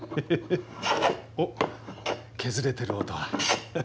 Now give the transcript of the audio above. おっ削れてる音だ。